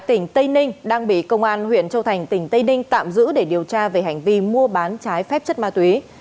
tỉnh tây ninh đang bị công an huyện châu thành tỉnh tây ninh tạm giữ để điều tra về hành vi mua bán trái phép chất ma túy